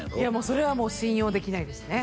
それはもう信用できないですね